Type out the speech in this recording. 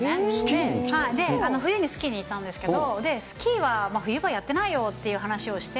で、冬にスキーに行ったんですけど、スキーは冬場やってないよという話をして。